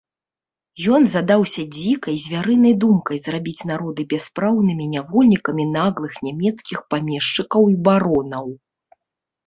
Ён задаўся дзікай звярынай думкай зрабіць народы бяспраўнымі нявольнікамі наглых нямецкіх памешчыкаў і баронаў.